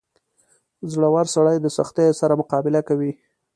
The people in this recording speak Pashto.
• زړور سړی د سختیو سره مقابله کوي.